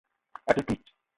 A te touii.